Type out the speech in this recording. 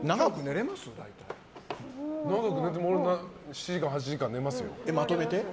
７時間、８時間寝ますよ。